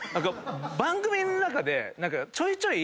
番組の中で何かちょいちょい。